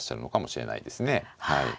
はい。